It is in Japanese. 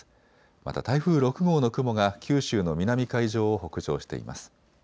また台風６号の雲が九州の南海上を北上しています。